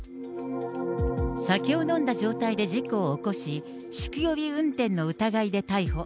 酒を飲んだ状態で事故を起こし、酒気帯び運転の疑いで逮捕。